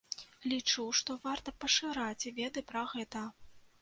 Лічу, што варта пашыраць веды пра гэта.